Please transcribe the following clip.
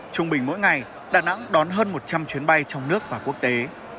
trung bình mỗi ngày đà nẵng đón hơn một trăm linh chuyến bay trong nước và quốc tế